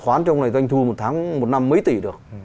không thể nào mà khoán trong này doanh thu một năm mấy tỷ được